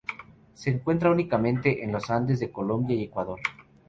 Se encuentra únicamente en los Andes de Colombia y Ecuador.